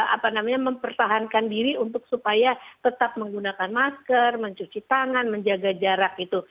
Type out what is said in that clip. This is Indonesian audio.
apa namanya mempertahankan diri untuk supaya tetap menggunakan masker mencuci tangan menjaga jarak itu